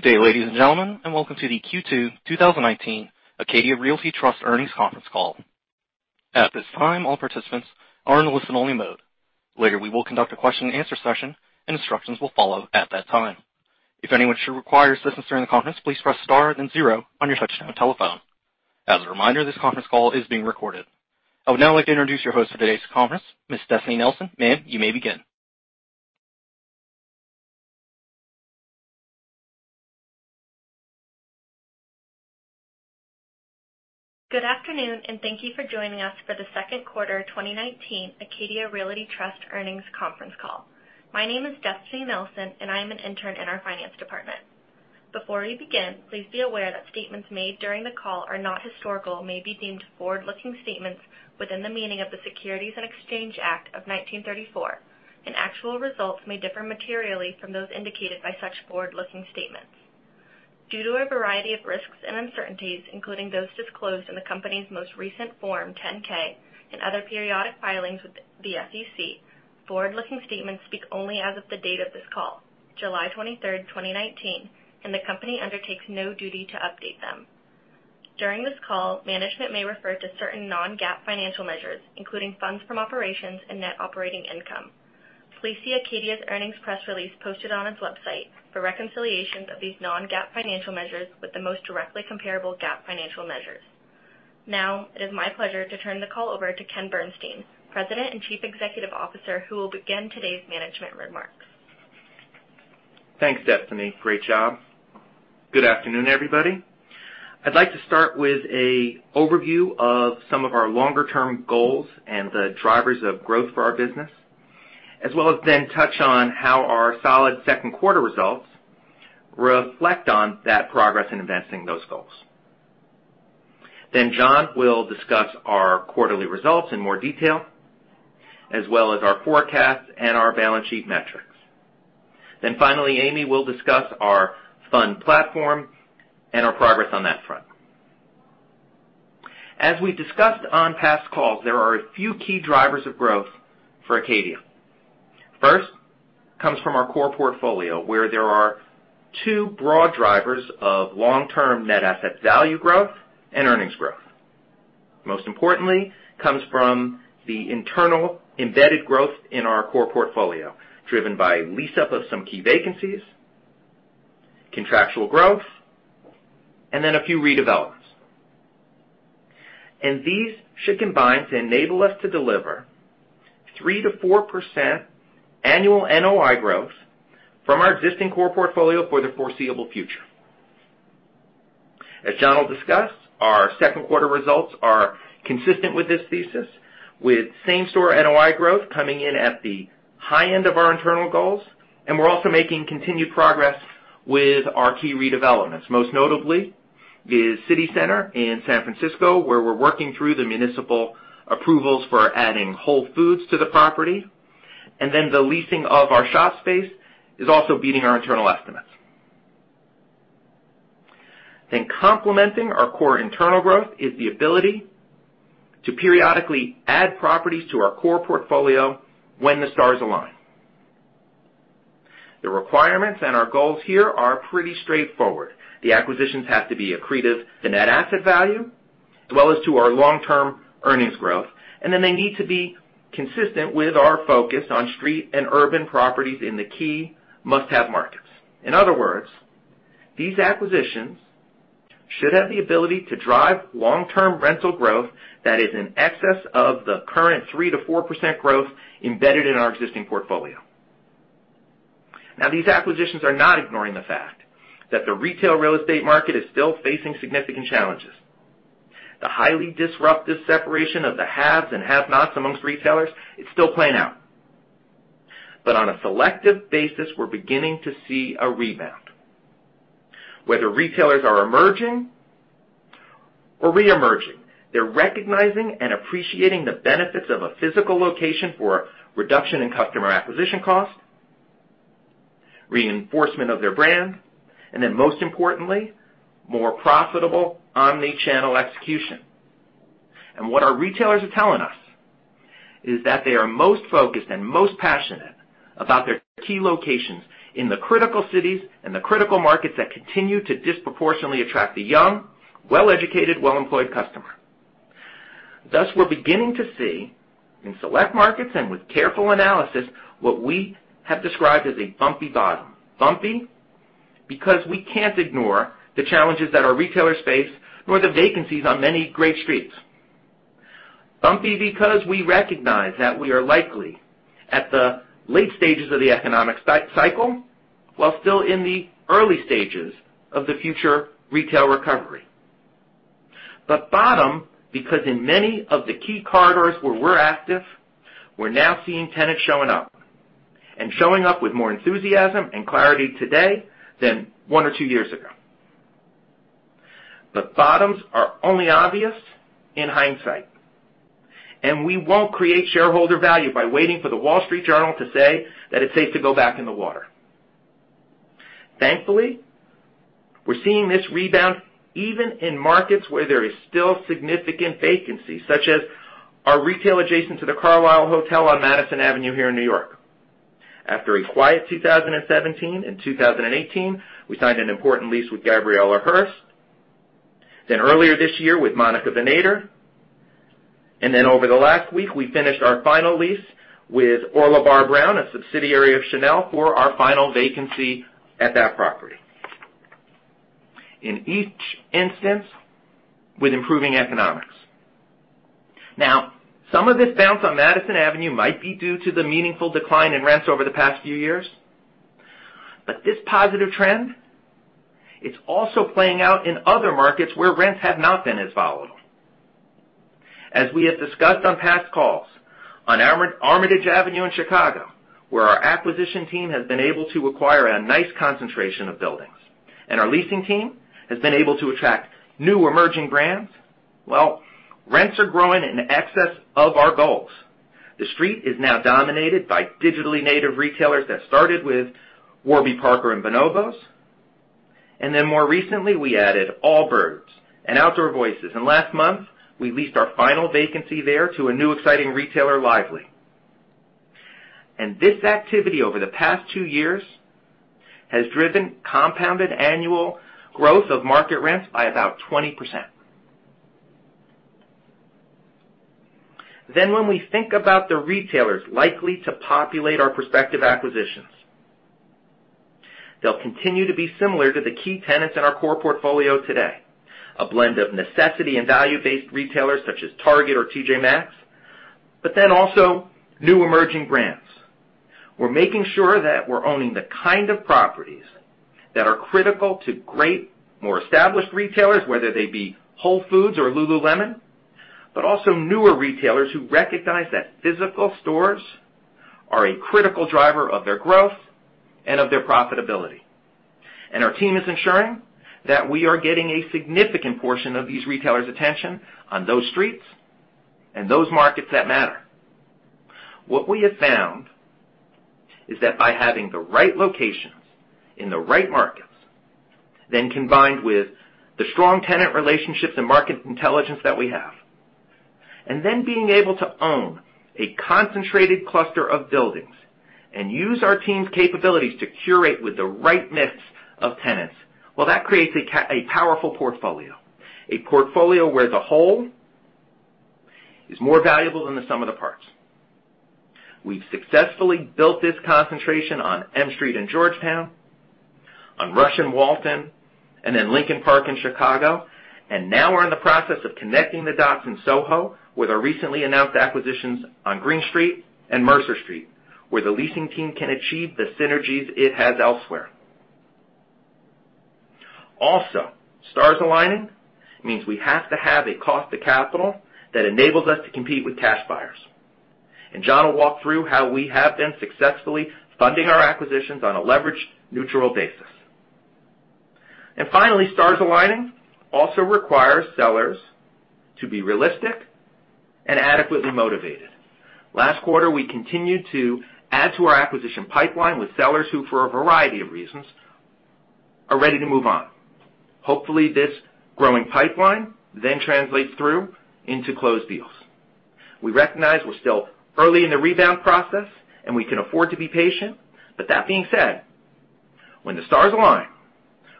Good day, ladies and gentlemen, and welcome to the Q2 2019 Acadia Realty Trust Earnings Conference Call. At this time, all participants are in listen-only mode. Later, we will conduct a question and answer session, and instructions will follow at that time. If anyone should require assistance during the conference, please press star then zero on your touch-tone telephone. As a reminder, this conference call is being recorded. I would now like to introduce your host for today's conference, Ms. Destiny Nelson. Ma'am, you may begin. Good afternoon, and thank you for joining us for the second quarter 2019 Acadia Realty Trust earnings conference call. My name is Destiny Nelson, and I am an intern in our finance department. Before we begin, please be aware that statements made during the call are not historical and may be deemed forward-looking statements within the meaning of the Securities and Exchange Act of 1934, and actual results may differ materially from those indicated by such forward-looking statements. Due to a variety of risks and uncertainties, including those disclosed in the company's most recent Form 10-K and other periodic filings with the SEC, forward-looking statements speak only as of the date of this call, July 23rd, 2019, and the company undertakes no duty to update them. During this call, management may refer to certain non-GAAP financial measures, including funds from operations and net operating income. Please see Acadia's earnings press release posted on its website for reconciliations of these non-GAAP financial measures with the most directly comparable GAAP financial measures. Now, it is my pleasure to turn the call over to Ken Bernstein, President and Chief Executive Officer, who will begin today's management remarks. Thanks, Destiny. Great job. Good afternoon, everybody. I'd like to start with an overview of some of our longer-term goals and the drivers of growth for our business, as well as then touch on how our solid second quarter results reflect on that progress in advancing those goals. John will discuss our quarterly results in more detail, as well as our forecasts and our balance sheet metrics. Finally, Amy will discuss our fund platform and our progress on that front. As we've discussed on past calls, there are a few key drivers of growth for Acadia. First comes from our core portfolio, where there are two broad drivers of long-term net asset value growth and earnings growth. Most importantly, comes from the internal embedded growth in our core portfolio, driven by lease-up of some key vacancies, contractual growth, and then a few redevelopments. These should combine to enable us to deliver 3%-4% annual NOI growth from our existing core portfolio for the foreseeable future. As John will discuss, our second quarter results are consistent with this thesis, with same-store NOI growth coming in at the high end of our internal goals. We're also making continued progress with our key redevelopments, most notably the City Center in San Francisco, where we're working through the municipal approvals for adding Whole Foods to the property. The leasing of our shop space is also beating our internal estimates. Complementing our core internal growth is the ability to periodically add properties to our core portfolio when the stars align. The requirements and our goals here are pretty straightforward. The acquisitions have to be accretive to net asset value, as well as to our long-term earnings growth, they need to be consistent with our focus on street and urban properties in the key must-have markets. In other words, these acquisitions should have the ability to drive long-term rental growth that is in excess of the current 3%-4% growth embedded in our existing portfolio. These acquisitions are not ignoring the fact that the retail real estate market is still facing significant challenges. The highly disruptive separation of the haves and have-nots amongst retailers is still playing out. On a selective basis, we're beginning to see a rebound. Whether retailers are emerging or reemerging, they're recognizing and appreciating the benefits of a physical location for a reduction in customer acquisition cost, reinforcement of their brand, and then most importantly, more profitable omni-channel execution. What our retailers are telling us is that they are most focused and most passionate about their key locations in the critical cities and the critical markets that continue to disproportionately attract the young, well-educated, well-employed customer. Thus, we're beginning to see, in select markets and with careful analysis, what we have described as a bumpy bottom. Bumpy because we can't ignore the challenges that our retailers face, nor the vacancies on many great streets. Bumpy because we recognize that we are likely at the late stages of the economic cycle, while still in the early stages of the future retail recovery. Bottom because in many of the key corridors where we're active, we're now seeing tenants showing up, and showing up with more enthusiasm and clarity today than one or two years ago. Bottoms are only obvious in hindsight, and we won't create shareholder value by waiting for the Wall Street Journal to say that it's safe to go back in the water. Thankfully, we're seeing this rebound even in markets where there is still significant vacancy, such as our retail adjacent to the Carlyle Hotel on Madison Avenue here in New York. After a quiet 2017 and 2018, we signed an important lease with Gabriela Hearst, then earlier this year with Monica Vinader, and then over the last week, we finished our final lease with Orlebar Brown, a subsidiary of Chanel, for our final vacancy at that property. In each instance, with improving economics. Some of this bounce on Madison Avenue might be due to the meaningful decline in rents over the past few years. This positive trend, it's also playing out in other markets where rents have not been as volatile. As we have discussed on past calls, on Armitage Avenue in Chicago, where our acquisition team has been able to acquire a nice concentration of buildings, and our leasing team has been able to attract new emerging brands. Well, rents are growing in excess of our goals. The street is now dominated by digitally native retailers that started with Warby Parker and Bonobos. Then more recently, we added Allbirds and Outdoor Voices. Last month, we leased our final vacancy there to a new exciting retailer, LIVELY. This activity over the past two years has driven compounded annual growth of market rents by about 20%. When we think about the retailers likely to populate our prospective acquisitions, they'll continue to be similar to the key tenants in our core portfolio today, a blend of necessity and value-based retailers such as Target or T.J. Maxx, but then also new emerging brands. We're making sure that we're owning the kind of properties that are critical to great, more established retailers, whether they be Whole Foods or lululemon, but also newer retailers who recognize that physical stores are a critical driver of their growth and of their profitability. Our team is ensuring that we are getting a significant portion of these retailers' attention on those streets and those markets that matter. What we have found is that by having the right locations in the right markets, combined with the strong tenant relationships and market intelligence that we have, being able to own a concentrated cluster of buildings and use our team's capabilities to curate with the right mix of tenants, well, that creates a powerful portfolio. A portfolio where the whole is more valuable than the sum of the parts. We've successfully built this concentration on M Street in Georgetown, on Rush and Walton, Lincoln Park in Chicago. Now we're in the process of connecting the dots in SoHo with our recently announced acquisitions on Green Street and Mercer Street, where the leasing team can achieve the synergies it has elsewhere. Stars aligning means we have to have a cost of capital that enables us to compete with cash buyers. John will walk through how we have been successfully funding our acquisitions on a leverage-neutral basis. Finally, stars aligning also requires sellers to be realistic and adequately motivated. Last quarter, we continued to add to our acquisition pipeline with sellers who, for a variety of reasons, are ready to move on. Hopefully, this growing pipeline then translates through into closed deals. We recognize we're still early in the rebound process and we can afford to be patient. That being said, when the stars align,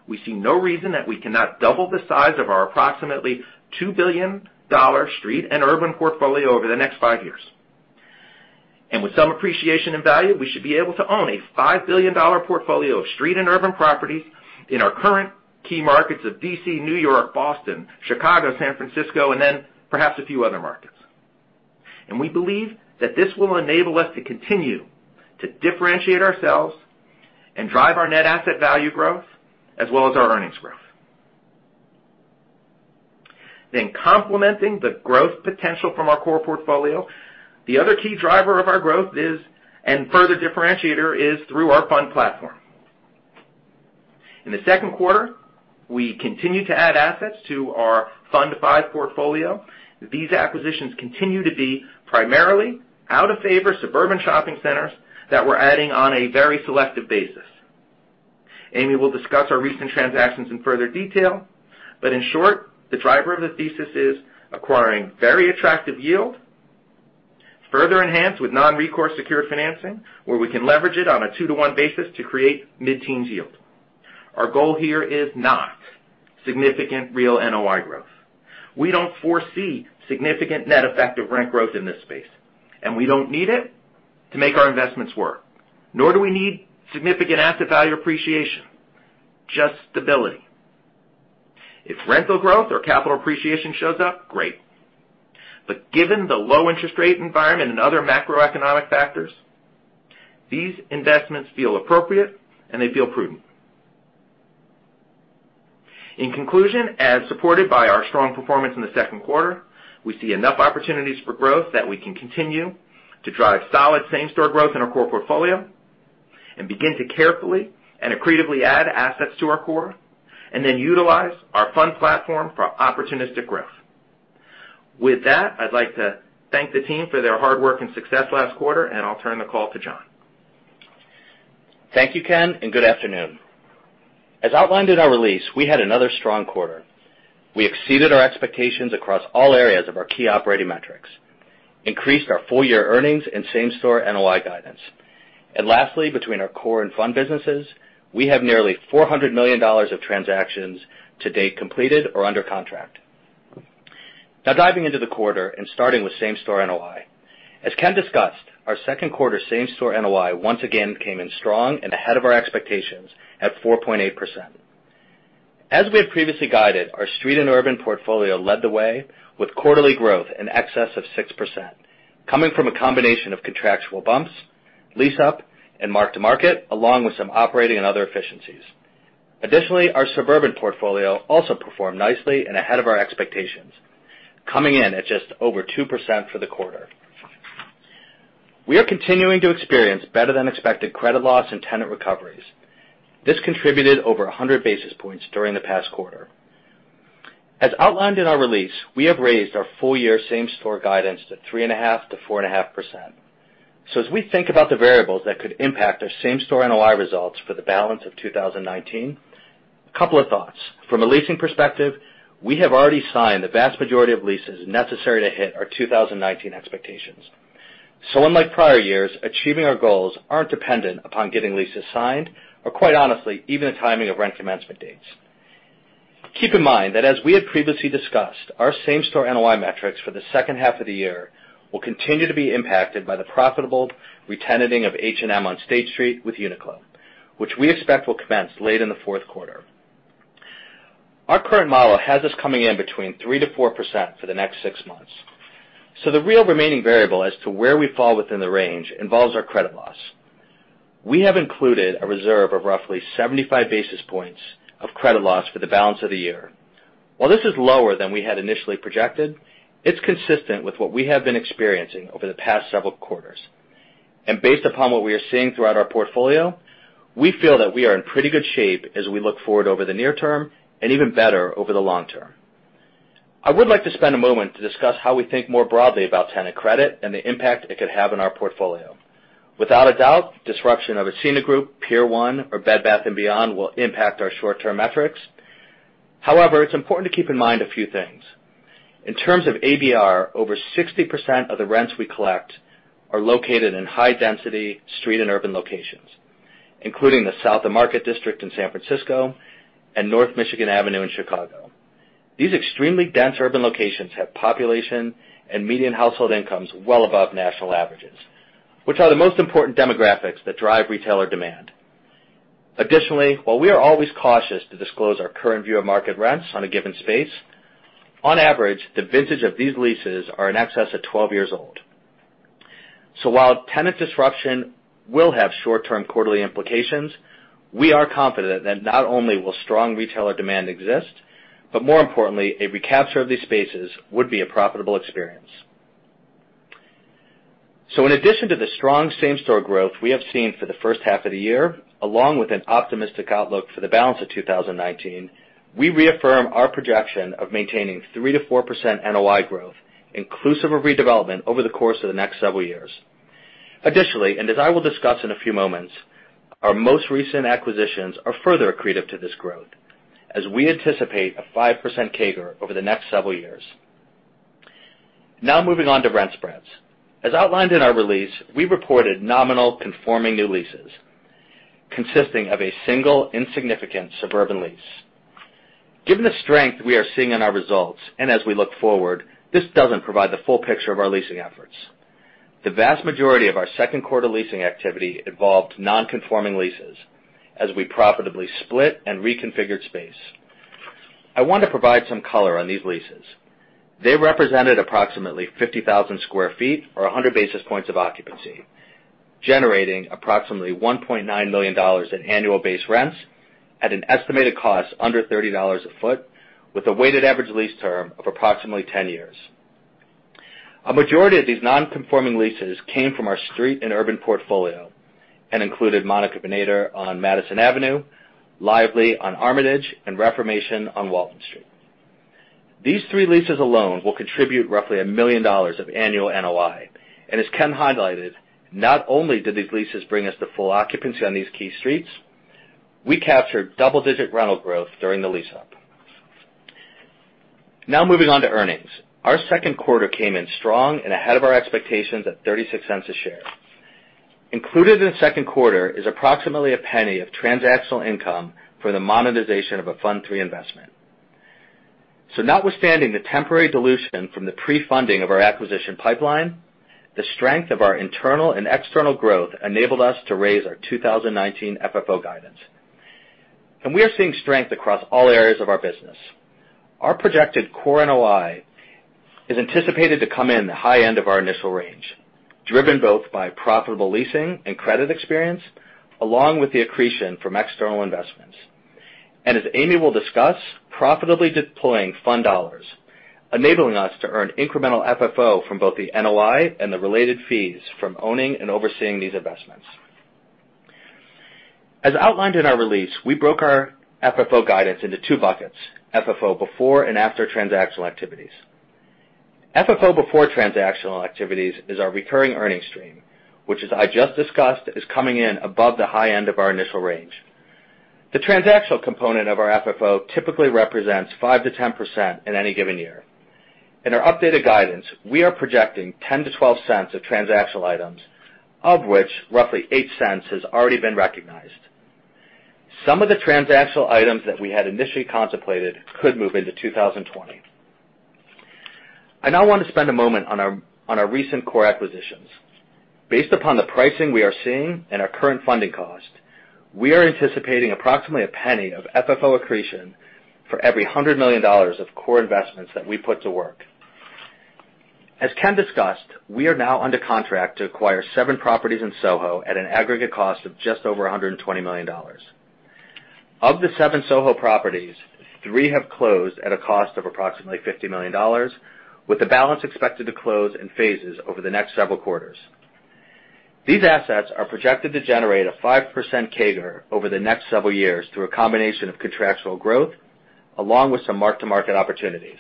we see no reason that we cannot double the size of our approximately $2 billion street and urban portfolio over the next five years. With some appreciation and value, we should be able to own a $5 billion portfolio of street and urban properties in our current key markets of D.C., New York, Boston, Chicago, San Francisco, and then perhaps a few other markets. We believe that this will enable us to continue to differentiate ourselves and drive our net asset value growth as well as our earnings growth. Complementing the growth potential from our core portfolio, the other key driver of our growth is, and further differentiator is, through our fund platform. In the second quarter, we continued to add assets to our Fund V portfolio. These acquisitions continue to be primarily out-of-favor suburban shopping centers that we're adding on a very selective basis. Amy will discuss our recent transactions in further detail, but in short, the driver of the thesis is acquiring very attractive yield, further enhanced with non-recourse secured financing, where we can leverage it on a 2-to-1 basis to create mid-teens yield. Our goal here is not significant real NOI growth. We don't foresee significant net effective rent growth in this space, and we don't need it to make our investments work. Nor do we need significant asset value appreciation, just stability. If rental growth or capital appreciation shows up, great. But given the low interest rate environment and other macroeconomic factors, these investments feel appropriate and they feel prudent. In conclusion, as supported by our strong performance in the second quarter, we see enough opportunities for growth that we can continue to drive solid same-store growth in our core portfolio and begin to carefully and accretively add assets to our core and then utilize our fund platform for opportunistic growth. With that, I'd like to thank the team for their hard work and success last quarter, and I'll turn the call to John. Thank you, Ken. Good afternoon. As outlined in our release, we had another strong quarter. We exceeded our expectations across all areas of our key operating metrics, increased our full-year earnings and same-store NOI guidance. Lastly, between our core and fund businesses, we have nearly $400 million of transactions to date completed or under contract. Now diving into the quarter and starting with same-store NOI. As Ken discussed, our second quarter same-store NOI once again came in strong and ahead of our expectations at 4.8%. As we had previously guided, our street and urban portfolio led the way with quarterly growth in excess of 6%, coming from a combination of contractual bumps, lease up, and mark-to-market, along with some operating and other efficiencies. Additionally, our suburban portfolio also performed nicely and ahead of our expectations, coming in at just over 2% for the quarter. We are continuing to experience better-than-expected credit loss and tenant recoveries. This contributed over 100 basis points during the past quarter. As outlined in our release, we have raised our full-year same-store guidance to 3.5%-4.5%. As we think about the variables that could impact our same-store NOI results for the balance of 2019, a couple of thoughts. From a leasing perspective, we have already signed the vast majority of leases necessary to hit our 2019 expectations. Unlike prior years, achieving our goals aren't dependent upon getting leases signed, or quite honestly, even the timing of rent commencement dates. Keep in mind that as we had previously discussed, our same-store NOI metrics for the second half of the year will continue to be impacted by the profitable re-tenanting of H&M on State Street with UNIQLO, which we expect will commence late in the fourth quarter. Our current model has us coming in between 3% to 4% for the next six months. The real remaining variable as to where we fall within the range involves our credit loss. We have included a reserve of roughly 75 basis points of credit loss for the balance of the year. While this is lower than we had initially projected, it's consistent with what we have been experiencing over the past several quarters. Based upon what we are seeing throughout our portfolio, we feel that we are in pretty good shape as we look forward over the near term and even better over the long term. I would like to spend a moment to discuss how we think more broadly about tenant credit and the impact it could have on our portfolio. Without a doubt, disruption of Ascena Group, Pier 1, or Bed Bath & Beyond will impact our short-term metrics. However, it's important to keep in mind a few things. In terms of ABR, over 60% of the rents we collect are located in high-density street and urban locations, including the South of Market District in San Francisco and North Michigan Avenue in Chicago. These extremely dense urban locations have population and median household incomes well above national averages, which are the most important demographics that drive retailer demand. Additionally, while we are always cautious to disclose our current view of market rents on a given space, on average, the vintage of these leases are in excess of 12 years old. While tenant disruption will have short-term quarterly implications, we are confident that not only will strong retailer demand exist, but more importantly, a recapture of these spaces would be a profitable experience. In addition to the strong same-store growth we have seen for the first half of the year, along with an optimistic outlook for the balance of 2019, we reaffirm our projection of maintaining 3%-4% NOI growth, inclusive of redevelopment, over the course of the next several years. Additionally, and as I will discuss in a few moments, our most recent acquisitions are further accretive to this growth as we anticipate a 5% CAGR over the next several years. Moving on to rent spreads. As outlined in our release, we reported nominal conforming new leases consisting of a single insignificant suburban lease. Given the strength we are seeing in our results, as we look forward, this doesn't provide the full picture of our leasing efforts. The vast majority of our second quarter leasing activity involved non-conforming leases as we profitably split and reconfigured space. I want to provide some color on these leases. They represented approximately 50,000 sq ft or 100 basis points of occupancy, generating approximately $1.9 million in annual base rents at an estimated cost under $30 a foot with a weighted average lease term of approximately 10 years. A majority of these non-conforming leases came from our street and urban portfolio included Monica Vinader on Madison Avenue, LIVELY on Armitage, and Reformation on Walton Street. These three leases alone will contribute roughly $1 million of annual NOI. As Ken highlighted, not only did these leases bring us to full occupancy on these key streets, we captured double-digit rental growth during the lease-up. Now moving on to earnings. Our second quarter came in strong and ahead of our expectations at $0.36 a share. Included in the second quarter is approximately $0.01 of transactional income for the monetization of a Fund III investment. Notwithstanding the temporary dilution from the pre-funding of our acquisition pipeline, the strength of our internal and external growth enabled us to raise our 2019 FFO guidance. We are seeing strength across all areas of our business. Our projected core NOI is anticipated to come in the high end of our initial range, driven both by profitable leasing and credit experience, along with the accretion from external investments. As Amy will discuss, profitably deploying fund dollars, enabling us to earn incremental FFO from both the NOI and the related fees from owning and overseeing these investments. As outlined in our release, we broke our FFO guidance into two buckets: FFO before and after transactional activities. FFO before transactional activities is our recurring earnings stream, which, as I just discussed, is coming in above the high end of our initial range. The transactional component of our FFO typically represents 5%-10% in any given year. In our updated guidance, we are projecting $0.10-$0.12 of transactional items, of which roughly $0.08 has already been recognized. Some of the transactional items that we had initially contemplated could move into 2020. I now want to spend a moment on our recent core acquisitions. Based upon the pricing we are seeing and our current funding cost, we are anticipating approximately $0.01 of FFO accretion for every $100 million of core investments that we put to work. As Ken discussed, we are now under contract to acquire seven properties in SoHo at an aggregate cost of just over $120 million. Of the seven SoHo properties, three have closed at a cost of approximately $50 million, with the balance expected to close in phases over the next several quarters. These assets are projected to generate a 5% CAGR over the next several years through a combination of contractual growth, along with some mark-to-market opportunities.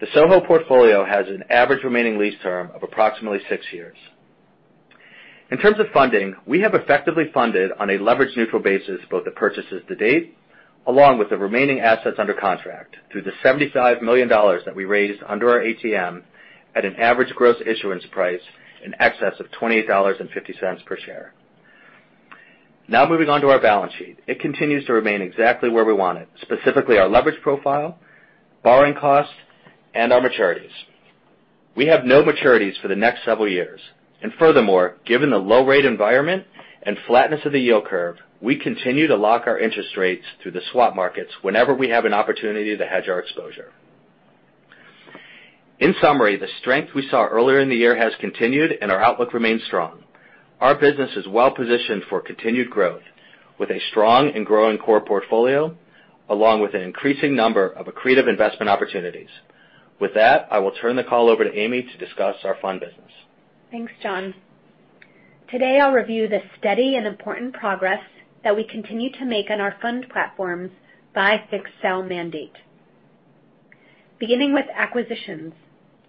The SoHo portfolio has an average remaining lease term of approximately six years. In terms of funding, we have effectively funded on a leverage-neutral basis, both the purchases to date, along with the remaining assets under contract through the $75 million that we raised under our ATM at an average gross issuance price in excess of $28.50 per share. Now moving on to our balance sheet. It continues to remain exactly where we want it, specifically our leverage profile, borrowing costs, and our maturities. We have no maturities for the next several years. Furthermore, given the low rate environment and flatness of the yield curve, we continue to lock our interest rates through the swap markets whenever we have an opportunity to hedge our exposure. In summary, the strength we saw earlier in the year has continued, and our outlook remains strong. Our business is well-positioned for continued growth with a strong and growing core portfolio, along with an increasing number of accretive investment opportunities. With that, I will turn the call over to Amy to discuss our fund business. Thanks, John. Today I'll review the steady and important progress that we continue to make on our fund platforms by fix-sell mandate. Beginning with acquisitions,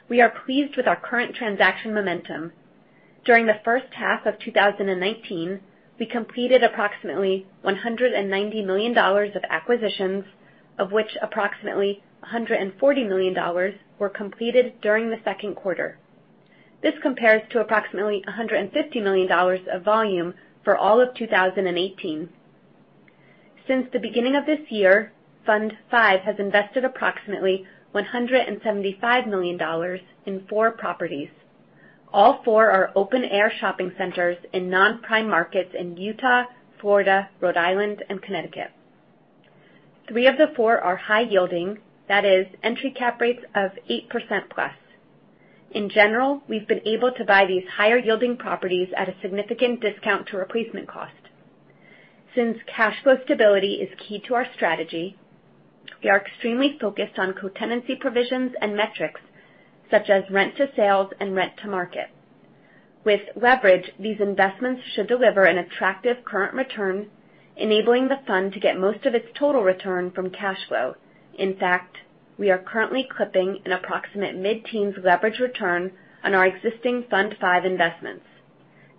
we are pleased with our current transaction momentum. During the first half of 2019, we completed approximately $190 million of acquisitions, of which approximately $140 million were completed during the second quarter. This compares to approximately $150 million of volume for all of 2018. Since the beginning of this year, Fund V has invested approximately $175 million in four properties. All four are open-air shopping centers in non-prime markets in Utah, Florida, Rhode Island, and Connecticut. Three of the four are high yielding. That is entry cap rates of 8% plus. In general, we've been able to buy these higher-yielding properties at a significant discount to replacement cost. Since cash flow stability is key to our strategy, we are extremely focused on co-tenancy provisions and metrics such as rent to sales and rent to market. With leverage, these investments should deliver an attractive current return, enabling the fund to get most of its total return from cash flow. In fact, we are currently clipping an approximate mid-teens leverage return on our existing Fund V investments.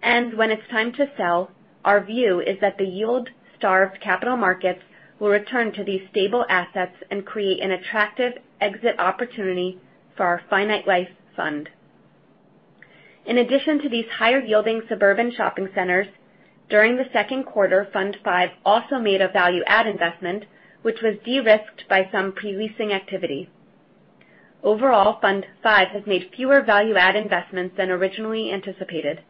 When it's time to sell, our view is that the yield-starved capital markets will return to these stable assets and create an attractive exit opportunity for our finite life fund. In addition to these higher-yielding suburban shopping centers, during the second quarter, Fund V also made a value add investment, which was de-risked by some pre-leasing activity. Overall, Fund V has made fewer value add investments than originally anticipated.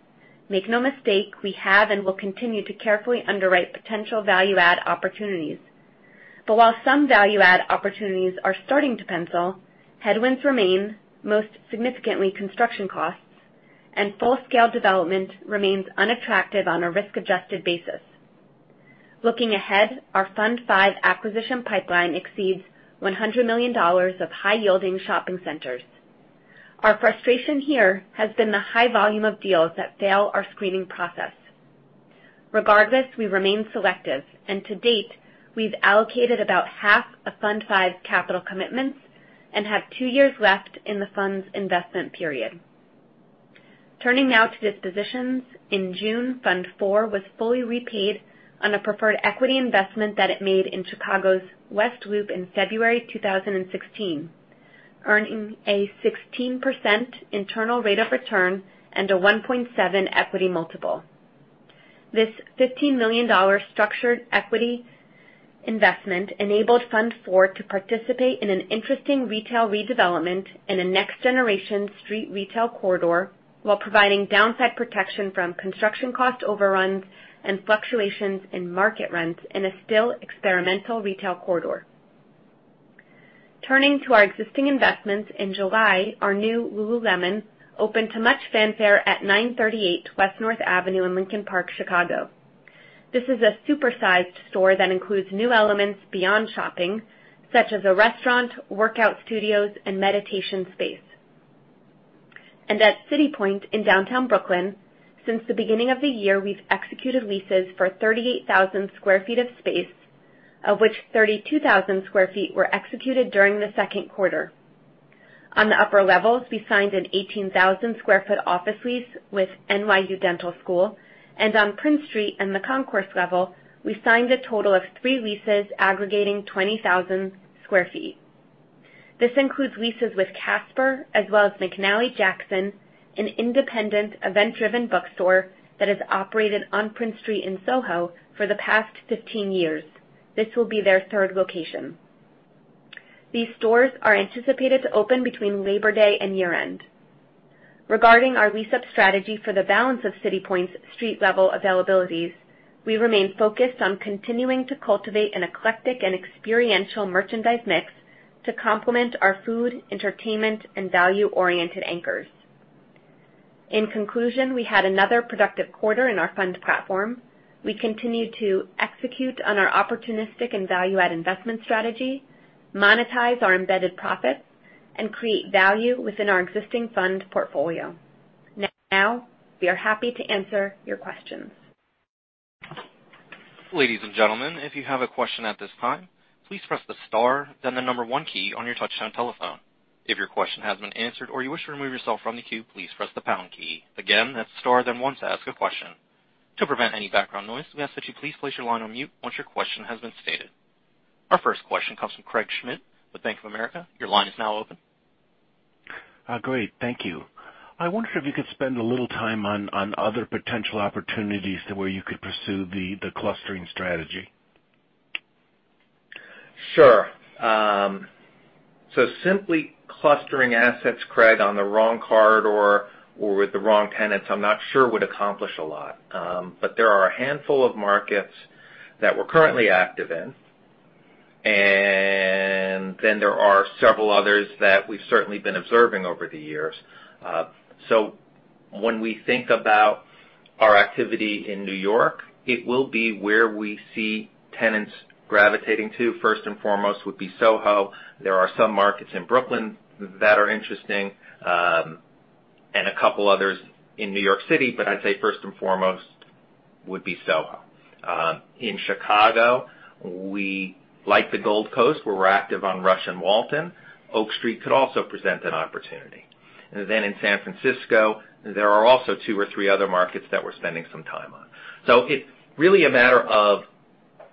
Make no mistake, we have and will continue to carefully underwrite potential value add opportunities. While some value add opportunities are starting to pencil, headwinds remain, most significantly construction costs, and full-scale development remains unattractive on a risk-adjusted basis. Looking ahead, our Fund V acquisition pipeline exceeds $100 million of high-yielding shopping centers. Our frustration here has been the high volume of deals that fail our screening process. Regardless, we remain selective, and to date, we've allocated about half of Fund V's capital commitments and have two years left in the fund's investment period. Turning now to dispositions. In June, Fund IV was fully repaid on a preferred equity investment that it made in Chicago's West Loop in February 2016, earning a 16% internal rate of return and a 1.7 equity multiple. This $15 million structured equity investment enabled Fund IV to participate in an interesting retail redevelopment in a next-generation street retail corridor while providing downside protection from construction cost overruns and fluctuations in market rents in a still experimental retail corridor. Turning to our existing investments, in July, our new lululemon opened to much fanfare at 938 West North Avenue in Lincoln Park, Chicago. This is a super-sized store that includes new elements beyond shopping, such as a restaurant, workout studios, and meditation space. At City Point in downtown Brooklyn, since the beginning of the year, we've executed leases for 38,000 square feet of space, of which 32,000 square feet were executed during the second quarter. On the upper levels, we signed an 18,000 sq ft office lease with NYU College of Dentistry, and on Prince Street and the concourse level, we signed a total of three leases aggregating 20,000 sq ft. This includes leases with Casper as well as McNally Jackson, an independent event-driven bookstore that has operated on Prince Street in Soho for the past 15 years. This will be their third location. These stores are anticipated to open between Labor Day and year-end. Regarding our lease-up strategy for the balance of City Point's street-level availabilities, we remain focused on continuing to cultivate an eclectic and experiential merchandise mix to complement our food, entertainment, and value-oriented anchors. In conclusion, we had another productive quarter in our funds platform. We continued to execute on our opportunistic and value-add investment strategy, monetize our embedded profits, and create value within our existing fund portfolio. Now, we are happy to answer your questions. Ladies and gentlemen, if you have a question at this time, please press the star then the number 1 key on your touch-tone telephone. If your question has been answered or you wish to remove yourself from the queue, please press the pound key. Again, that's star then 1 to ask a question. To prevent any background noise, we ask that you please place your line on mute once your question has been stated. Our first question comes from Craig Schmidt with Bank of America. Your line is now open. Great. Thank you. I wonder if you could spend a little time on other potential opportunities to where you could pursue the clustering strategy. Sure. Simply clustering assets, Craig, on the wrong corridor or with the wrong tenants, I'm not sure would accomplish a lot. There are a handful of markets that we're currently active in, and there are several others that we've certainly been observing over the years. When we think about our activity in New York, it will be where we see tenants gravitating to. First and foremost would be Soho. There are some markets in Brooklyn that are interesting, and a couple others in New York City, but I'd say first and foremost would be Soho. In Chicago, like the Gold Coast, where we're active on Rush and Walton, Oak Street could also present an opportunity. In San Francisco, there are also two or three other markets that we're spending some time on. It's really a matter of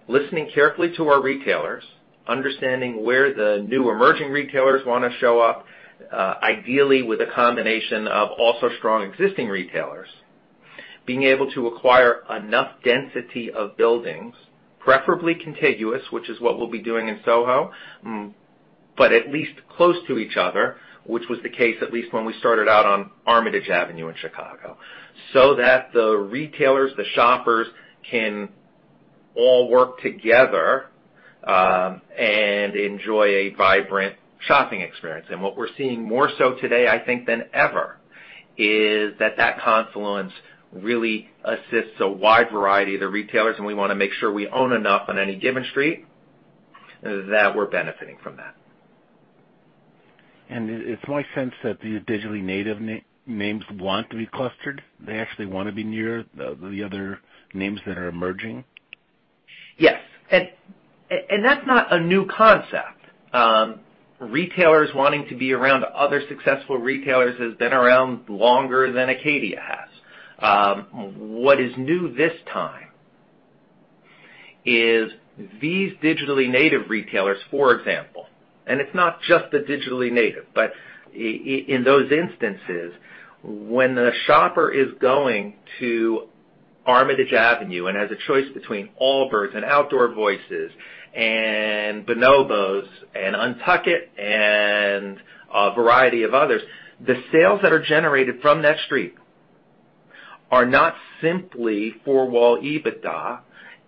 listening carefully to our retailers, understanding where the new emerging retailers want to show up, ideally with a combination of also strong existing retailers. Being able to acquire enough density of buildings, preferably contiguous, which is what we'll be doing in Soho, but at least close to each other, which was the case at least when we started out on Armitage Avenue in Chicago, so that the retailers, the shoppers, can all work together, and enjoy a vibrant shopping experience. What we're seeing more so today, I think, than ever, is that that confluence really assists a wide variety of the retailers, and we want to make sure we own enough on any given street that we're benefiting from that. It's my sense that these digitally native names want to be clustered. They actually want to be near the other names that are emerging? Yes. That's not a new concept. Retailers wanting to be around other successful retailers has been around longer than Acadia has. What is new this time is these digitally native retailers, for example, it's not just the digitally native, but in those instances, when the shopper is going to Armitage Avenue and has a choice between Allbirds and Outdoor Voices and Bonobos and UNTUCKit and a variety of others, the sales that are generated from that street are not simply four-wall EBITDA,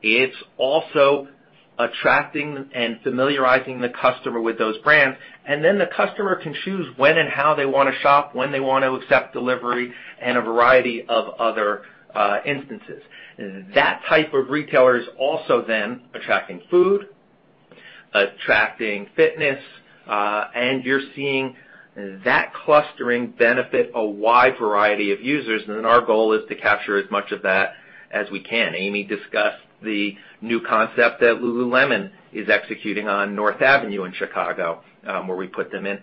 it's also attracting and familiarizing the customer with those brands, and then the customer can choose when and how they want to shop, when they want to accept delivery, and a variety of other instances. That type of retailer is also then attracting food, attracting fitness, you're seeing that clustering benefit a wide variety of users. Our goal is to capture as much of that as we can. Amy discussed the new concept that lululemon is executing on North Avenue in Chicago, where we put them in.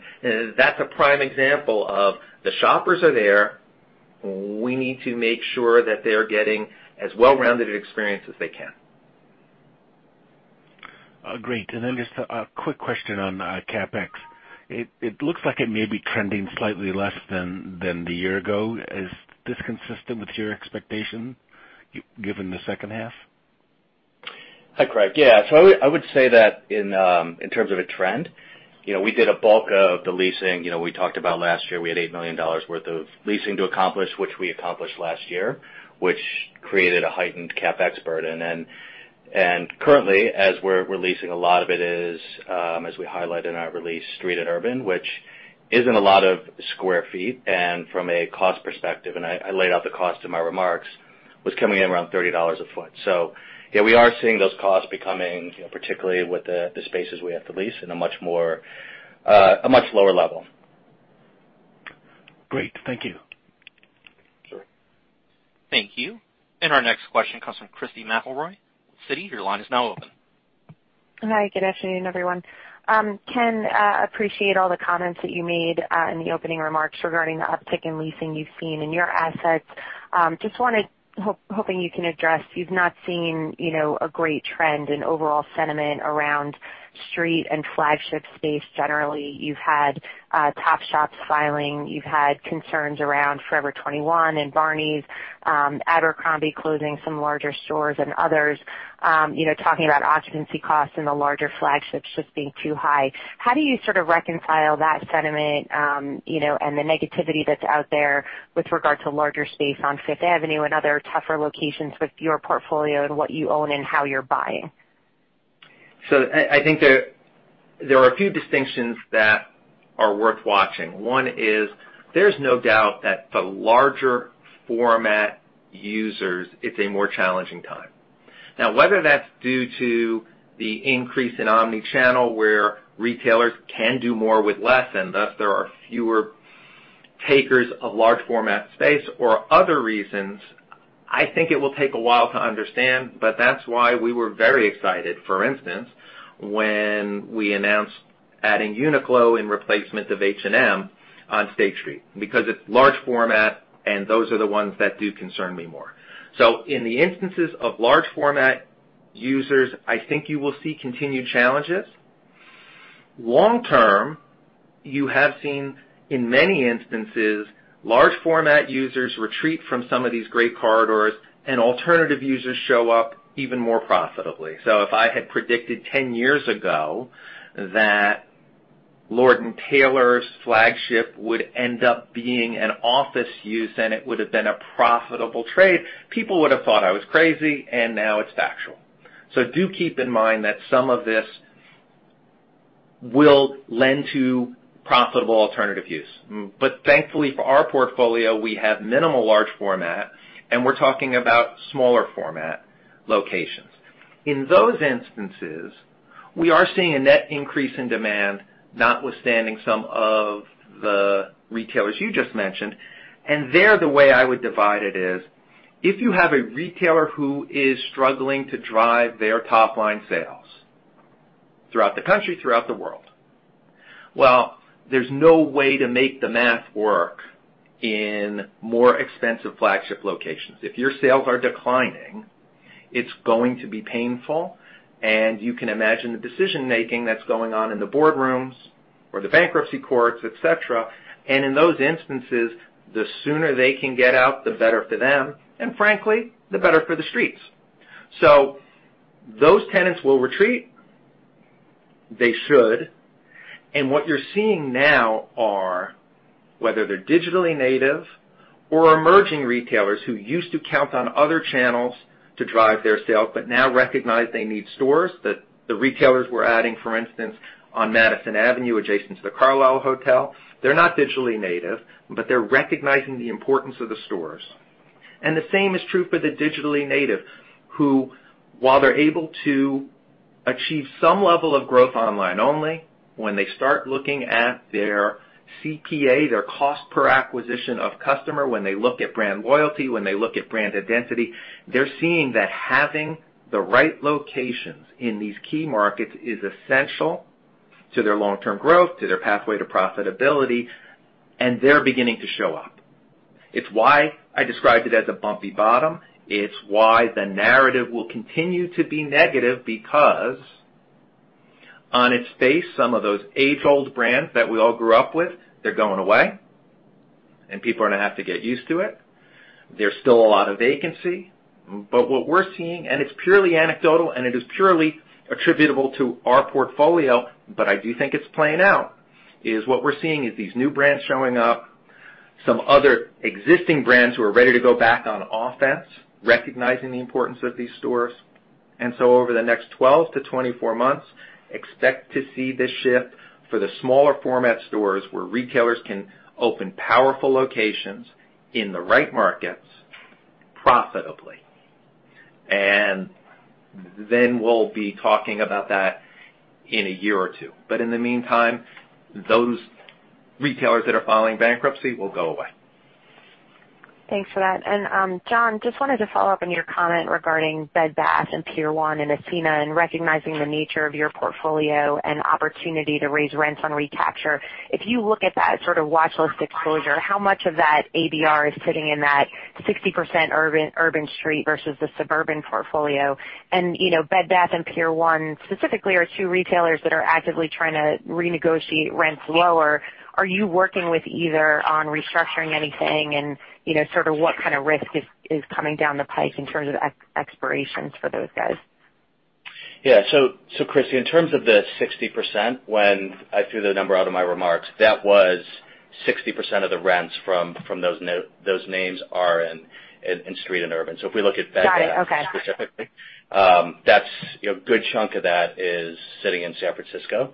That's a prime example of the shoppers are there. We need to make sure that they're getting as well-rounded an experience as they can. Great. Just a quick question on CapEx. It looks like it may be trending slightly less than the year ago. Is this consistent with your expectation given the second half? Hi, Craig. Yeah. I would say that in terms of a trend, we did a bulk of the leasing. We talked about last year, we had $8 million worth of leasing to accomplish, which we accomplished last year, which created a heightened CapEx burden. Currently, as we're leasing, a lot of it is, as we highlight in our release, street and urban, which isn't a lot of square feet and from a cost perspective, and I laid out the cost in my remarks. Was coming in around $30 a foot. Yeah, we are seeing those costs becoming, particularly with the spaces we have to lease, in a much lower level. Great. Thank you. Sure. Thank you. Our next question comes from Christy McElroy, Citi. Your line is now open. Hi. Good afternoon, everyone. Ken, appreciate all the comments that you made in the opening remarks regarding the uptick in leasing you've seen in your assets. Just hoping you can address, you've not seen a great trend in overall sentiment around street and flagship space generally. You've had Topshop filing, you've had concerns around Forever 21 and Barneys, Abercrombie closing some larger stores and others talking about occupancy costs and the larger flagships just being too high. How do you sort of reconcile that sentiment and the negativity that's out there with regard to larger space on Fifth Avenue and other tougher locations with your portfolio and what you own and how you're buying? I think there are a few distinctions that are worth watching. One is, there's no doubt that for larger format users, it's a more challenging time. Whether that's due to the increase in omni-channel, where retailers can do more with less, and thus there are fewer takers of large format space or other reasons, I think it will take a while to understand, but that's why we were very excited, for instance, when we announced adding UNIQLO in replacement of H&M on State Street, because it's large format, and those are the ones that do concern me more. In the instances of large format users, I think you will see continued challenges. Long term, you have seen, in many instances, large format users retreat from some of these great corridors and alternative users show up even more profitably. If I had predicted 10 years ago that Lord & Taylor's flagship would end up being an office use and it would've been a profitable trade, people would've thought I was crazy, and now it's factual. Do keep in mind that some of this will lend to profitable alternative use. Thankfully for our portfolio, we have minimal large format, and we're talking about smaller format locations. In those instances, we are seeing a net increase in demand, notwithstanding some of the retailers you just mentioned. There, the way I would divide it is, if you have a retailer who is struggling to drive their top-line sales throughout the country, throughout the world, well, there's no way to make the math work in more expensive flagship locations. If your sales are declining, it's going to be painful, and you can imagine the decision-making that's going on in the boardrooms or the bankruptcy courts, et cetera. In those instances, the sooner they can get out, the better for them, and frankly, the better for the streets. Those tenants will retreat. They should. What you're seeing now are whether they're digitally native or emerging retailers who used to count on other channels to drive their sales, but now recognize they need stores. The retailers we're adding, for instance, on Madison Avenue, adjacent to the Carlyle Hotel, they're not digitally native, but they're recognizing the importance of the stores. The same is true for the digitally native, who, while they're able to achieve some level of growth online, only when they start looking at their CPA, their cost per acquisition of customer, when they look at brand loyalty, when they look at brand identity, they're seeing that having the right locations in these key markets is essential to their long-term growth, to their pathway to profitability, and they're beginning to show up. It's why I described it as a bumpy bottom. It's why the narrative will continue to be negative because on its face, some of those age-old brands that we all grew up with, they're going away, and people are going to have to get used to it. There's still a lot of vacancy. What we're seeing, and it's purely anecdotal, and it is purely attributable to our portfolio, but I do think it's playing out, is what we're seeing is these new brands showing up, some other existing brands who are ready to go back on offense, recognizing the importance of these stores. Over the next 12 to 24 months, expect to see this shift for the smaller format stores where retailers can open powerful locations in the right markets profitably. Then we'll be talking about that in a year or two. In the meantime, those retailers that are filing bankruptcy will go away. Thanks for that. John, just wanted to follow up on your comment regarding Bed Bath and Pier 1 and Ascena, and recognizing the nature of your portfolio and opportunity to raise rents on recapture. If you look at that sort of watchlist exposure, how much of that ABR is sitting in that 60% urban street versus the suburban portfolio? Bed Bath and Pier 1 specifically are two retailers that are actively trying to renegotiate rents lower. Are you working with either on restructuring anything, and sort of what kind of risk is coming down the pipe in terms of expirations for those guys? Christy, in terms of the 60%, when I threw the number out of my remarks, that was 60% of the rents from those names are in street and urban. If we look at Bed Bath-. Got it. Okay. Specifically, a good chunk of that is sitting in San Francisco.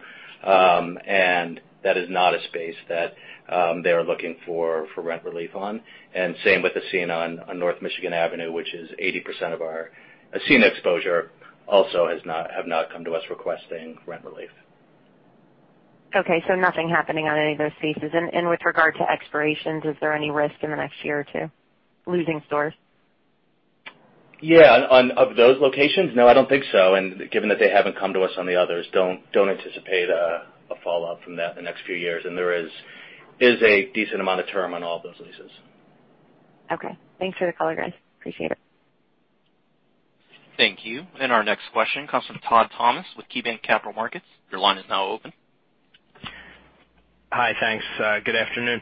That is not a space that they're looking for rent relief on. Same with Ascena on North Michigan Avenue, which is 80% of our Ascena exposure also have not come to us requesting rent relief. Okay, nothing happening on any of those spaces. With regard to expirations, is there any risk in the next year or two, losing stores? Yeah. On those locations? No, I don't think so, and given that they haven't come to us on the others, don't anticipate a fallout from that in the next few years, and there is a decent amount of term on all of those leases. Okay. Thanks for the color, John. Appreciate it. Thank you. Our next question comes from Todd Thomas with KeyBanc Capital Markets. Your line is now open. Hi, thanks. Good afternoon.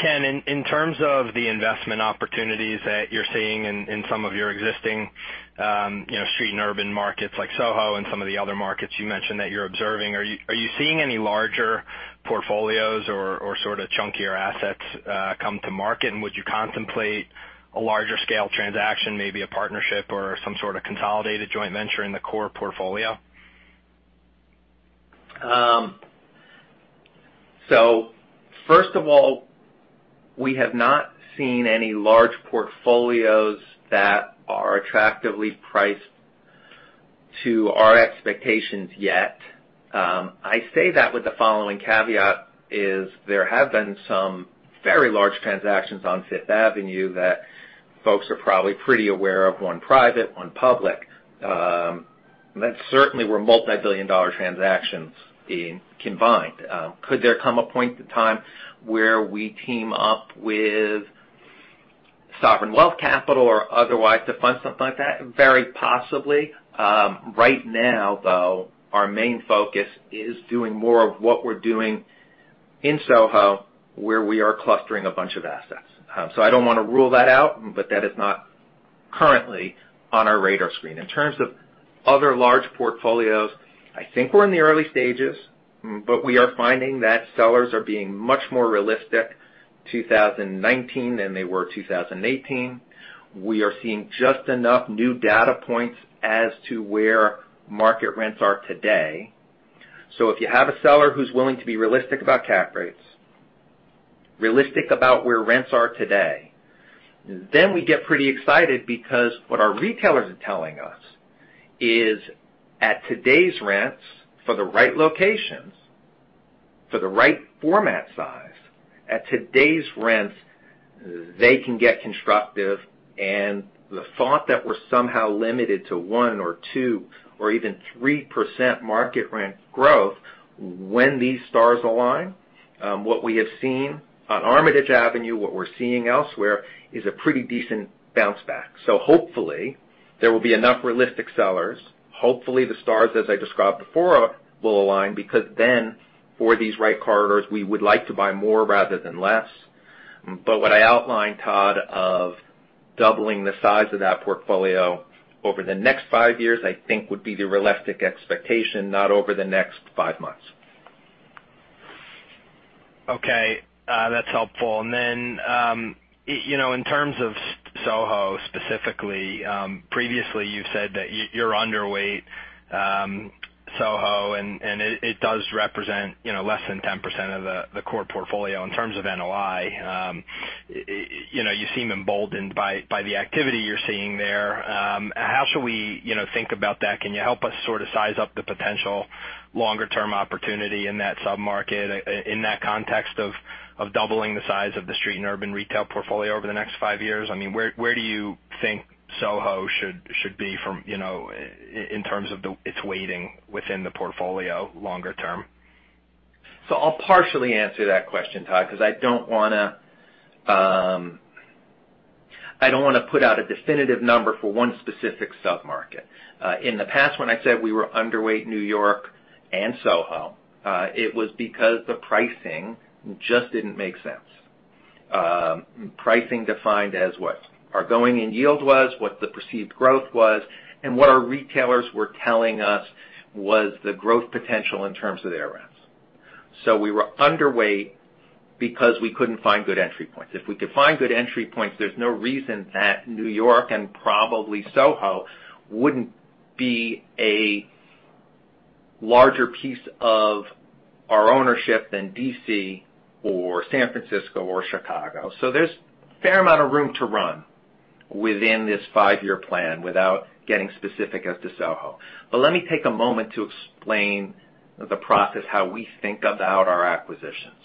Ken, in terms of the investment opportunities that you're seeing in some of your existing street and urban markets like SoHo and some of the other markets you mentioned that you're observing, are you seeing any larger portfolios or chunkier assets come to market? Would you contemplate a larger scale transaction, maybe a partnership or some sort of consolidated joint venture in the core portfolio? First of all, we have not seen any large portfolios that are attractively priced to our expectations yet. I say that with the following caveat is there have been some very large transactions on Fifth Avenue that folks are probably pretty aware of, one private, one public, that certainly were multi-billion-dollar transactions being combined. Could there come a point in time where we team up with sovereign wealth capital or otherwise to fund stuff like that? Very possibly. Right now, though, our main focus is doing more of what we're doing in Soho, where we are clustering a bunch of assets. I don't want to rule that out, but that is not currently on our radar screen. In terms of other large portfolios, I think we're in the early stages, but we are finding that sellers are being much more realistic 2019 than they were 2018. We are seeing just enough new data points as to where market rents are today. If you have a seller who's willing to be realistic about cap rates, realistic about where rents are today, then we get pretty excited because what our retailers are telling us is at today's rents for the right locations, for the right format size, at today's rents, they can get constructive. The thought that we're somehow limited to 1% or 2% or even 3% market rent growth when these stars align, what we have seen on Armitage Avenue, what we're seeing elsewhere is a pretty decent bounce back. Hopefully, there will be enough realistic sellers. Hopefully, the stars, as I described before, will align, because then for these right corridors, we would like to buy more rather than less. What I outlined, Todd, of doubling the size of that portfolio over the next five years, I think would be the realistic expectation, not over the next five months. Okay. That's helpful. In terms of Soho specifically, previously you said that you're underweight Soho and it does represent less than 10% of the core portfolio in terms of NOI. You seem emboldened by the activity you're seeing there. How should we think about that? Can you help us size up the potential longer-term opportunity in that sub-market, in that context of doubling the size of the street and urban retail portfolio over the next five years? I mean, where do you think Soho should be in terms of its weighting within the portfolio longer term? I'll partially answer that question, Todd, because I don't want to put out a definitive number for one specific sub-market. In the past, when I said we were underweight New York and Soho, it was because the pricing just didn't make sense. Pricing defined as what our going-in yield was, what the perceived growth was, and what our retailers were telling us was the growth potential in terms of their rents. We were underweight because we couldn't find good entry points. If we could find good entry points, there's no reason that New York and probably Soho wouldn't be a larger piece of our ownership than D.C. or San Francisco or Chicago. There's a fair amount of room to run within this five-year plan without getting specific as to Soho. Let me take a moment to explain the process, how we think about our acquisitions.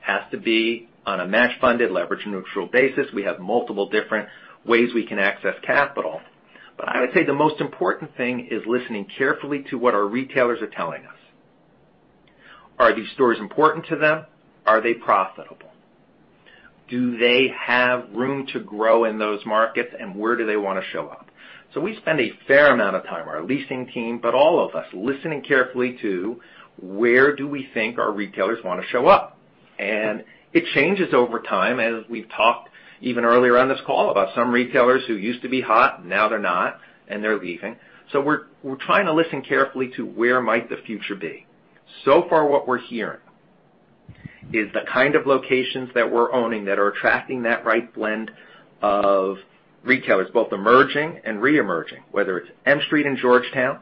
Has to be on a match-funded, leverage-neutral basis. We have multiple different ways we can access capital. I would say the most important thing is listening carefully to what our retailers are telling us. Are these stores important to them? Are they profitable? Do they have room to grow in those markets, and where do they want to show up? We spend a fair amount of time, our leasing team, but all of us listening carefully to where do we think our retailers want to show up. It changes over time, as we've talked even earlier on this call about some retailers who used to be hot, now they're not, and they're leaving. We're trying to listen carefully to where might the future be. So far what we're hearing Is the kind of locations that we're owning that are attracting that right blend of retailers, both emerging and re-emerging, whether it's M Street in Georgetown,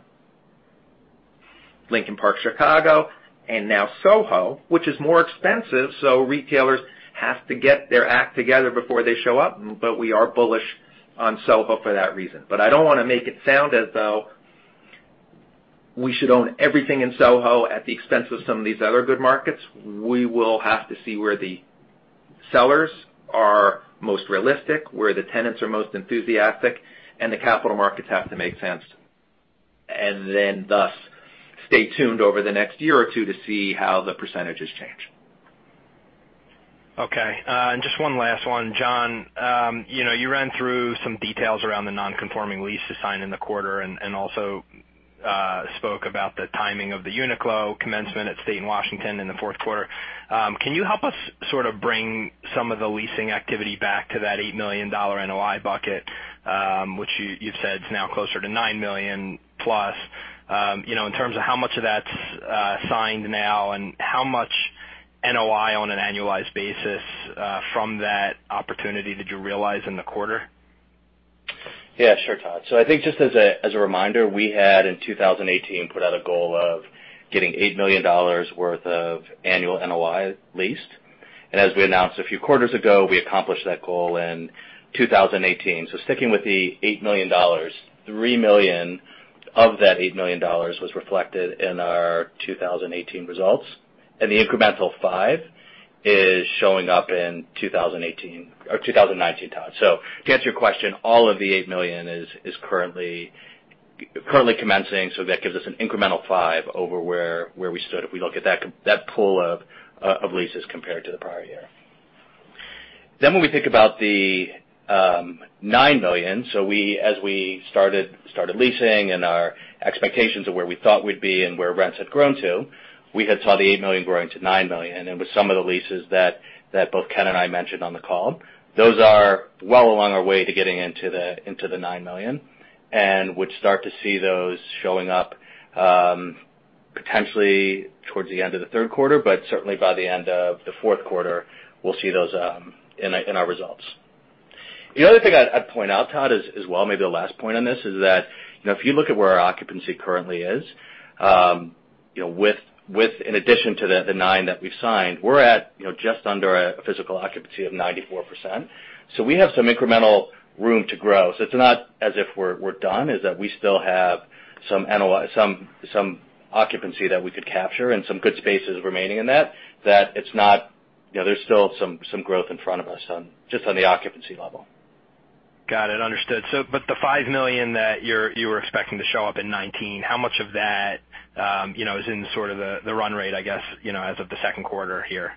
Lincoln Park, Chicago, and now Soho, which is more expensive, so retailers have to get their act together before they show up, but we are bullish on Soho for that reason. I don't want to make it sound as though we should own everything in Soho at the expense of some of these other good markets. We will have to see where the sellers are most realistic, where the tenants are most enthusiastic, and the capital markets have to make sense. Thus, stay tuned over the next year or two to see how the percentages change. Okay. Just one last one, John. You ran through some details around the non-conforming lease to sign in the quarter, and also spoke about the timing of the UNIQLO commencement at State and Washington in the fourth quarter. Can you help us sort of bring some of the leasing activity back to that $8 million NOI bucket, which you've said is now closer to $9 million plus, in terms of how much of that's signed now and how much NOI on an annualized basis from that opportunity did you realize in the quarter? Yeah, sure, Todd. I think just as a reminder, we had, in 2018, put out a goal of getting $8 million worth of annual NOI leased. As we announced a few quarters ago, we accomplished that goal in 2018. Sticking with the $8 million, $3 million of that $8 million was reflected in our 2018 results, and the incremental $5 is showing up in 2019, Todd. To answer your question, all of the $8 million is currently commencing, so that gives us an incremental $5 over where we stood, if we look at that pool of leases compared to the prior year. When we think about the $9 million, so as we started leasing and our expectations of where we thought we'd be and where rents had grown to, we had saw the $8 million growing to $9 million, and it was some of the leases that both Ken and I mentioned on the call. Those are well along our way to getting into the $9 million, and would start to see those showing up potentially towards the end of the third quarter, but certainly by the end of the fourth quarter, we'll see those in our results. The other thing I'd point out, Todd, as well, maybe the last point on this, is that if you look at where our occupancy currently is, in addition to the nine that we've signed, we're at just under a physical occupancy of 94%. We have some incremental room to grow. It's not as if we're done, is that we still have some occupancy that we could capture and some good spaces remaining in that there's still some growth in front of us just on the occupancy level. Got it. Understood. The $5 million that you were expecting to show up in 2019, how much of that is in sort of the run rate, I guess, as of the second quarter here?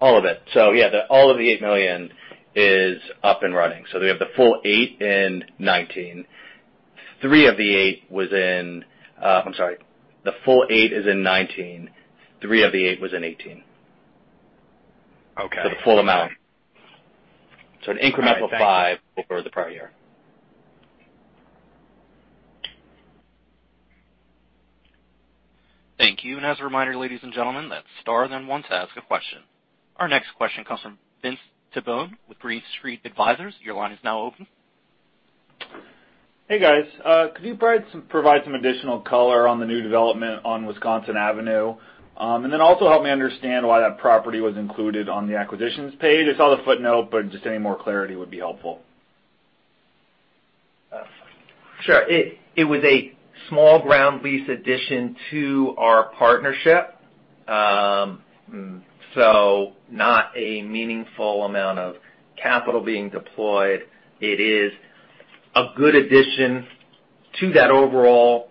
All of it. Yeah, all of the $8 million is up and running. We have the full 8 in 2019. The full 8 is in 2019. Three of the 8 was in 2018. Okay. The full amount. All right. Thank you. five over the prior year. Thank you. As a reminder, ladies and gentlemen, that's star then one to ask a question. Our next question comes from Vince Tibone with Green Street Advisors. Your line is now open. Hey, guys. Could you provide some additional color on the new development on Wisconsin Avenue? Also help me understand why that property was included on the acquisitions page. I saw the footnote, but just any more clarity would be helpful. Sure. It was a small ground lease addition to our partnership. Not a meaningful amount of capital being deployed. It is a good addition to that overall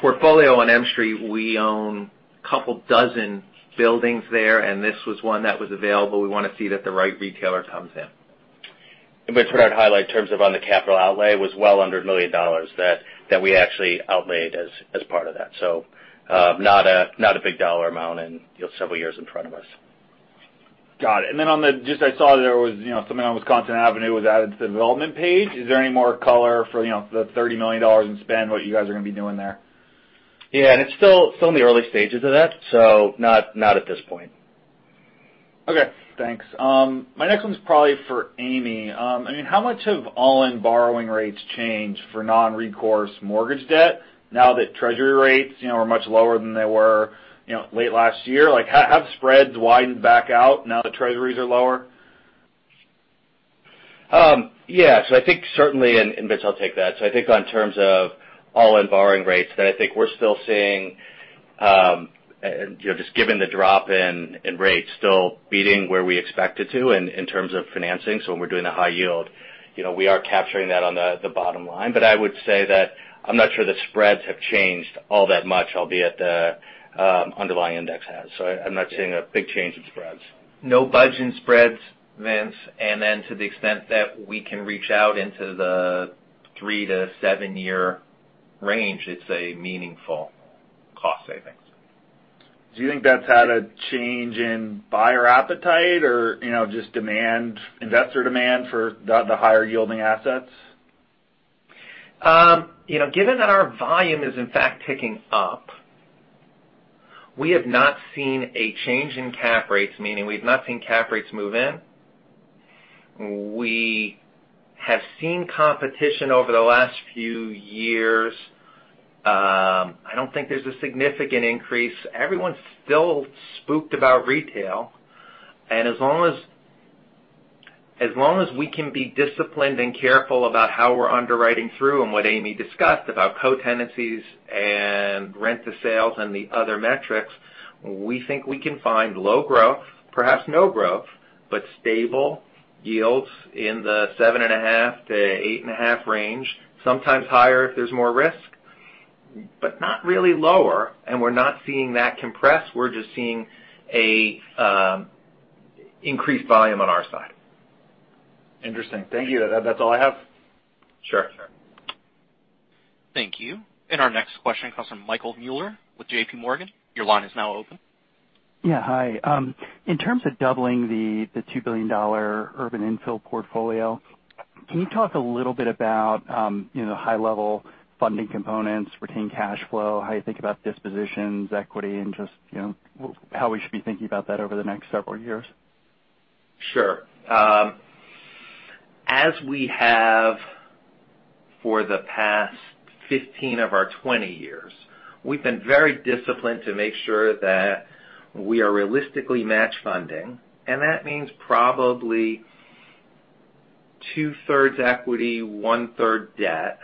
portfolio on M Street. We own a couple dozen buildings there, and this was one that was available. We want to see that the right retailer comes in. Vince, what I'd highlight in terms of on the capital outlay was well under $1 million that we actually outlaid as part of that. Not a big dollar amount and several years in front of us. Got it. I saw there was something on Wisconsin Avenue was added to the development page. Is there any more color for the $30 million in spend, what you guys are going to be doing there? Yeah, it's still in the early stages of that. Not at this point. Okay, thanks. My next one's probably for Amy. How much have all-in borrowing rates changed for non-recourse mortgage debt now that Treasury rates are much lower than they were late last year? Have spreads widened back out now that Treasuries are lower? Yeah. I think certainly, and Vince, I'll take that. I think on terms of all-in borrowing rates, that I think we're still seeing, just given the drop in rates, still beating where we expected to in terms of financing. When we're doing the high yield, we are capturing that on the bottom line. I would say that I'm not sure the spreads have changed all that much, albeit the underlying index has. I'm not seeing a big change in spreads. No budge in spreads, Vince. To the extent that we can reach out into the three to seven-year range, it's a meaningful cost savings. Do you think that's had a change in buyer appetite or just investor demand for the higher-yielding assets? Given that our volume is in fact ticking up, we have not seen a change in cap rates, meaning we've not seen cap rates move in. We have seen competition over the last few years. I don't think there's a significant increase. Everyone's still spooked about retail, and as long as we can be disciplined and careful about how we're underwriting through and what Amy discussed about co-tenancies and rent-to-sales and the other metrics, we think we can find low growth, perhaps no growth, but stable yields in the 7.5%-8.5% range, sometimes higher if there's more risk, but not really lower, and we're not seeing that compress. We're just seeing an increased volume on our side. Interesting. Thank you. That's all I have. Sure. Thank you. Our next question comes from Michael Mueller with JPMorgan. Your line is now open. Yeah, hi. In terms of doubling the $2 billion urban infill portfolio, can you talk a little bit about high-level funding components, retained cash flow, how you think about dispositions, equity, and just how we should be thinking about that over the next several years? Sure. As we have for the past 15 of our 20 years, we've been very disciplined to make sure that we are realistically match funding, and that means probably two-thirds equity, one-third debt.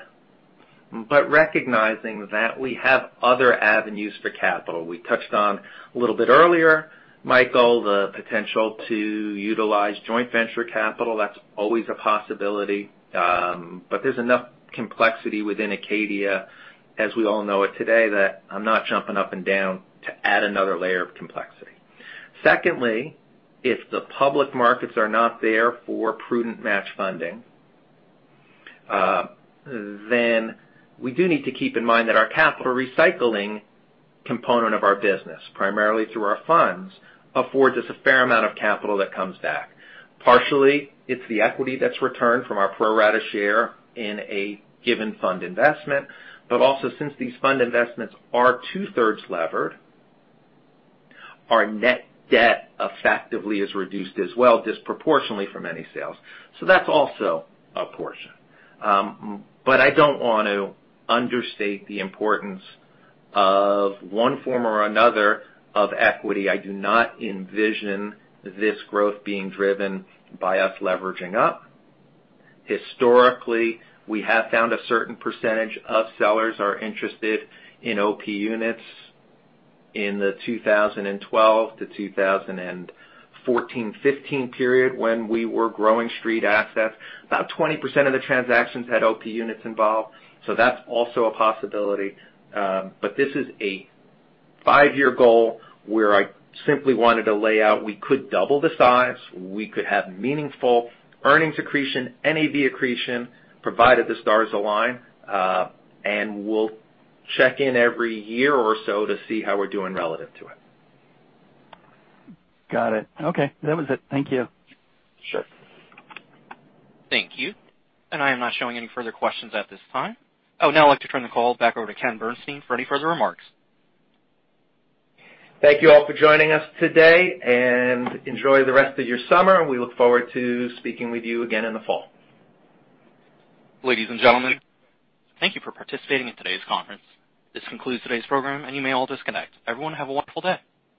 Recognizing that we have other avenues for capital. We touched on, a little bit earlier, Michael, the potential to utilize joint venture capital. That's always a possibility. There's enough complexity within Acadia as we all know it today, that I'm not jumping up and down to add another layer of complexity. Secondly, if the public markets are not there for prudent match funding, then we do need to keep in mind that our capital recycling component of our business, primarily through our funds, affords us a fair amount of capital that comes back. Partially, it's the equity that's returned from our pro rata share in a given fund investment. Also, since these fund investments are two-thirds levered, our net debt effectively is reduced as well, disproportionately from any sales. That's also a portion. I don't want to understate the importance of one form or another of equity. I do not envision this growth being driven by us leveraging up. Historically, we have found a certain percentage of sellers are interested in OP units in the 2012 to 2014, 2015 period when we were growing street assets. About 20% of the transactions had OP units involved, that's also a possibility. This is a 5-year goal where I simply wanted to lay out we could double the size, we could have meaningful earnings accretion, NAV accretion, provided the stars align. We'll check in every year or so to see how we're doing relative to it. Got it. Okay. That was it. Thank you. Sure. Thank you. I am not showing any further questions at this time. Now I'd like to turn the call back over to Ken Bernstein for any further remarks. Thank you all for joining us today. Enjoy the rest of your summer. We look forward to speaking with you again in the fall. Ladies and gentlemen, thank you for participating in today's conference. This concludes today's program, and you may all disconnect. Everyone, have a wonderful day.